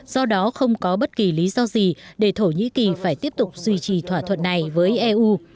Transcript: do đó không có bất kỳ lý do gì để thổ nhĩ kỳ phải tiếp tục duy trì thỏa thuận này với eu